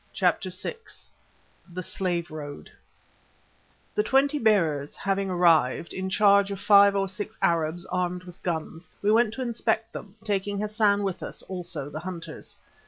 CHAPTER VI THE SLAVE ROAD The twenty bearers having arrived, in charge of five or six Arabs armed with guns, we went to inspect them, taking Hassan with us, also the hunters.